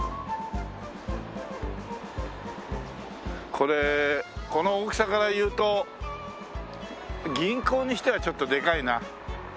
これこの大きさから言うと銀行にしてはちょっとでかいな。